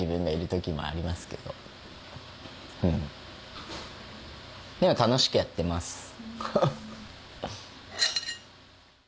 でも楽しくやってます。